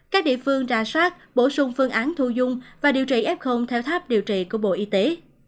các địa phương ra soát bổ sung phương án thu dung và điều trị f theo tháp điều trị của bộ y tế